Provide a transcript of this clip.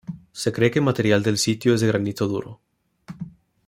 Se cree que material del sitio es de granito duro.